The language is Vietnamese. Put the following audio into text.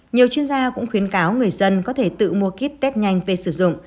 nhiều chuyên gia cũng khuyến cáo người dân có thể tự mua kết tết nhanh về sử dụng